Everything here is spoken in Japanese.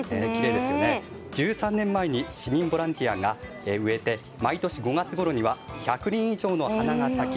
１３年前に市民ボランティアが植えて毎年５月ごろには１００輪以上の花が咲き